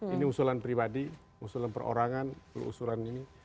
ini usulan pribadi usulan perorangan usulan ini